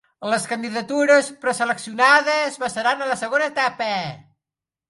Les candidatures preseleccionades passaran a la segona etapa.